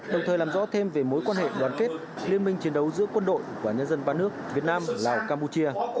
đồng thời làm rõ thêm về mối quan hệ đoàn kết liên minh chiến đấu giữa quân đội và nhân dân ba nước việt nam lào campuchia